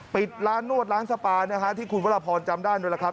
ปิดร้านนวดร้านสปานะฮะที่คุณวรพรจำได้นั่นแหละครับ